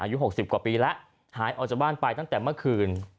อายุ๖๐กว่าปีแล้วหายออกจากบ้านไปตั้งแต่เมื่อคืน